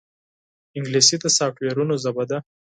انګلیسي د سافټویرونو ژبه ده